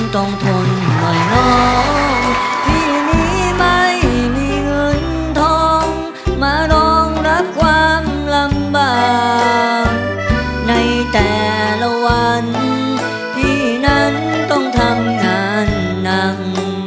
ต้องรับความลำบากในแต่ละวันพี่นั้นต้องทำงานหนัง